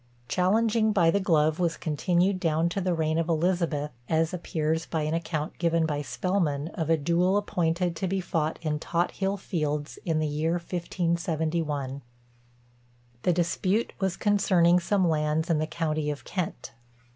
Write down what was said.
Challenging by the glove was continued down to the reign of Elizabeth, as appears by an account given by Spelman of a duel appointed to be fought in Tothill Fields, in the year 1571. The dispute was concerning some lands in the county of Kent.